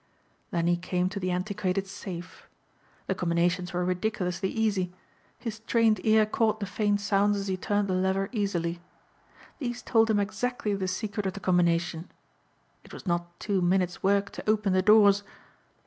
Then he came to the antiquated safe. The combinations were ridiculously easy. His trained ear caught the faint sounds as he turned the lever easily. These told him exactly the secret of the combination. It was not two minutes work to open the doors.